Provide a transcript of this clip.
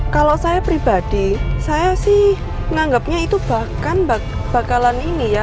kalau saya pribadi saya sih menganggapnya itu bahkan bakalan ini ya